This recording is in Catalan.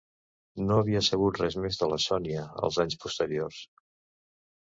No havia sabut res més de la Sònia els anys posteriors.